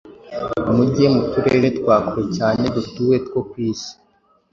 Mujye mu turere twa kure cyane dutuwe two ku isi,